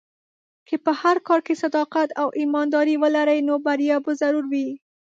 که په هر کار کې صداقت او ایمانداري ولرې، نو بریا به ضرور وي.